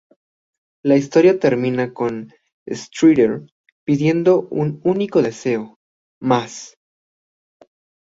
La historia termina con Streeter pidiendo un único deseo: más.